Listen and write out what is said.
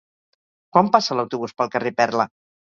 Quan passa l'autobús pel carrer Perla?